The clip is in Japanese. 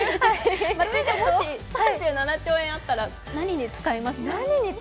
まつりちゃん、もし３７兆円あったら何に使いますか？